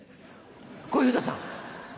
小遊三さん。